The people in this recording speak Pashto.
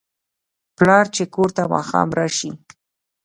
پلار چې کور ته ماښام راشي